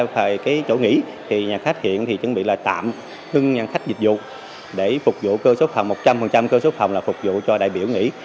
về chỗ nghỉ nhà khách hiện chuẩn bị tạm hưng nhà khách dịch vụ để phục vụ cơ sốt phòng một trăm linh cơ sốt phòng là phục vụ cho đại biểu nghỉ